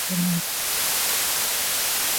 থিওসফিষ্টদের জোর বড় একটা নাই।